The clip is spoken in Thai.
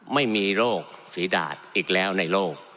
ไม่มีโรคฝีดาดอีกแล้วในโลก